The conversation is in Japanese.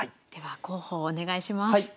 では候補をお願いします。